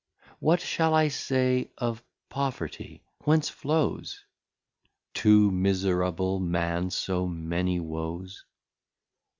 What shall I say of Poverty, whence flows? To miserable Man so many Woes?